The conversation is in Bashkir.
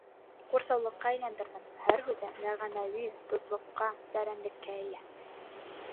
Ҡурсаулыҡҡа әйләндерҙем Һәр һүҙе мәғәнәүи тослоҡҡа, тәрәнлеккә эйә.